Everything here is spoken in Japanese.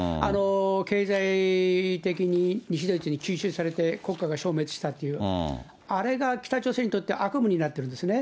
経済的に西ドイツに吸収されて、国家が消滅したという、あれが北朝鮮にとって悪夢になってるんですね。